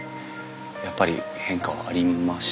やっぱり変化はありましたか？